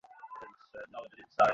কী হয়েছে, সার্সি?